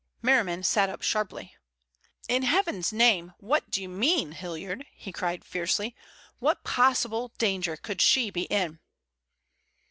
Merriman sat up sharply. "In Heaven's name, what do you mean, Hilliard?" he cried fiercely. "What possible danger could she be in?"